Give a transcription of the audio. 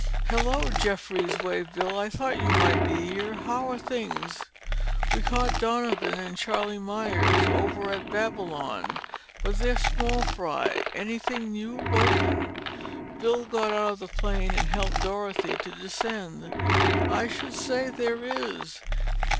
"Hello, Jeffries," waved Bill. "I thought you might be here. How are things?" "We caught Donovan and Charlie Myers over at Babylon. But they're small fry. Anything new, Bolton?" Bill got out of the plane and helped Dorothy to descend. "I should say there is!